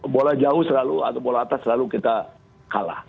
bola jauh selalu atau bola atas selalu kita kalah